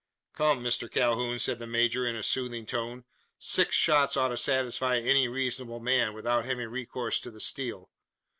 "Come, Mr Calhoun!" said the major, in a soothing tone. "Six shots ought to satisfy any reasonable man; without having recourse to the steel.